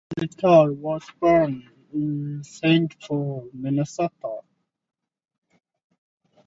Molitor was born in Saint Paul, Minnesota.